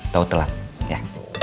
tau telat ya